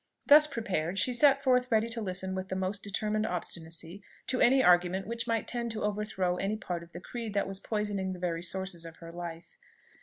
Thus prepared, she set forth ready to listen with the most determined obstinacy to any argument which might tend to overthrow any part of the creed that was poisoning the very sources of her life.